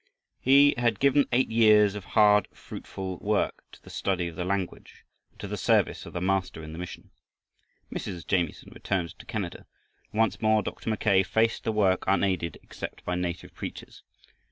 He had given eight years of hard, faithful work to the study of the language and to the service of the Master in the mission. Mrs. Jamieson returned to Canada, and once more Dr. Mackay faced the work, unaided except by native preachers.